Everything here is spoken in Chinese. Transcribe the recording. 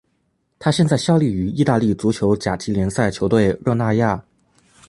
他现在效力于意大利足球甲级联赛球队热那亚。